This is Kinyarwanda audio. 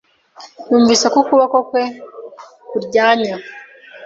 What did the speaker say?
Numvise ko ukuboko kwe kundwanya.